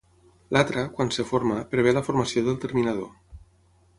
L'altra, quan es forma, prevé la formació del terminador.